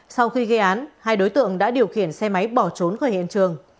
sau khi gây án hai đối tượng đã điều khiển xe máy bỏ trốn khỏi hiện trường